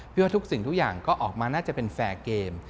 เพื่อทุกสิ่งทุกอย่างก็ออกมาน่าจะเป็นแฟร์เกม